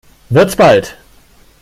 Wird's bald?